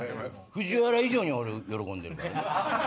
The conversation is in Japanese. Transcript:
藤原以上に俺喜んでる。